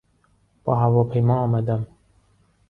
با هواپیما آمدم.